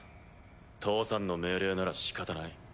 父さんの命令ならしかたない。